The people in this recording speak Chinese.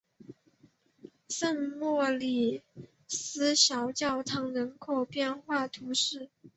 圣莫里斯小教堂人口变化图示